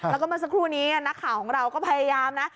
แล้วก็เมื่อสักครู่นี้นักข่าวของเราก็พยายามนะ